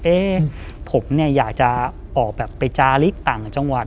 เอ๊ะผมอยากจะออกไปจาริกต่างจังหวัด